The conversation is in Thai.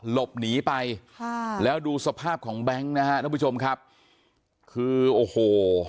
หลบหนีไปค่ะแล้วดูสภาพของแบงค์นะฮะทุกผู้ชมครับคือโอ้โห